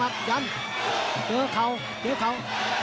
มามัดเหลือเขาเดียวเขา